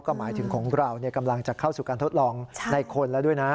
ก็หมายถึงของเรากำลังจะเข้าสู่การทดลองในคนแล้วด้วยนะ